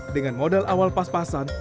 dengan modal awal pas pasan